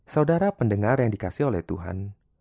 saudara pendengar yang dikasih oleh tuhan